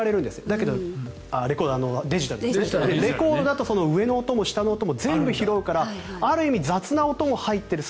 だけど、レコードだとその上の音も下の音も全部拾うからある意味雑な音も入っている。